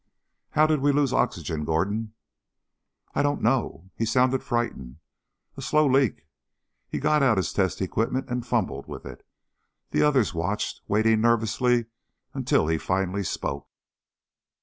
"How did we lose oxygen, Gordon?" "I don't know." He sounded frightened. "A slow leak." He got out his test equipment and fumbled with it. The others watched, waiting nervously until he finally spoke.